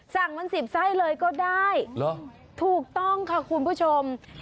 สั่งเป็น๑๐ไส้เลยก็ได้ถูกต้องค่ะคุณผู้ชม